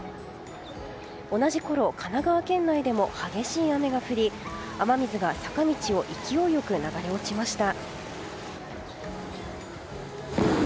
同じころ神奈川県内でも激しい雨が降り雨水が坂道を勢いよく流れおちました。